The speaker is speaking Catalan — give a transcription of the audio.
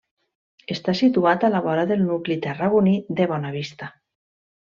Està situat a la vora del nucli tarragoní de Bonavista.